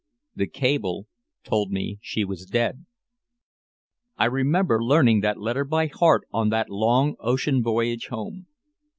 The cable told me she was dead. I remember learning that letter by heart on that long ocean voyage home.